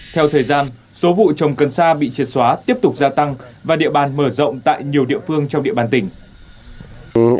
theo thời gian số vụ trồng cần sa bị triệt xóa tiếp tục gia tăng và địa bàn mở rộng tại nhiều địa phương trong địa bàn tỉnh